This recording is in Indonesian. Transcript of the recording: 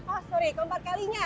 oh sorry keempat kalinya